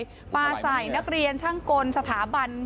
คืออะไรด้วยคะปลาใส่นักเรียนช่างกลสถาบัน